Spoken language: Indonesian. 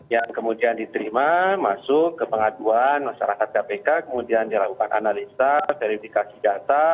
yang kemudian diterima masuk ke pengaduan masyarakat kpk kemudian dilakukan analisa verifikasi data